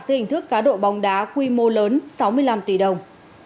dưới hình thức cá độ bóng đá quy mô lớn sáu mươi năm tỷ đồng